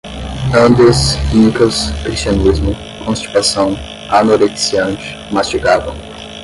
Andes, Incas, cristianismo, constipação, anorexiante, mastigavam